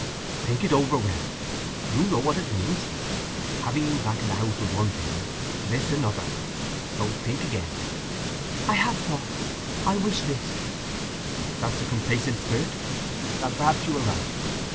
"Think it over well. You know what it means. Having you back in the house was one thing—this another. So think again." "I have thought—I wish this!" "That's a complaisant spirit—and perhaps you are right.